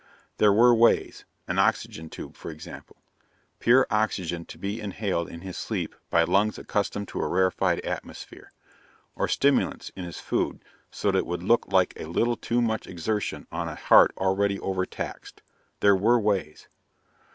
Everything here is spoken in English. There were ways an oxygen tube, for example. Pure oxygen to be inhaled in his sleep by lungs accustomed to a rarified atmosphere, or stimulants in his food so it would look like a little too much exertion on a heart already overtaxed. There were ways.